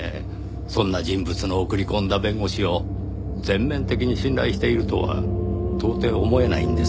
そんな人物の送り込んだ弁護士を全面的に信頼しているとは到底思えないんですよ。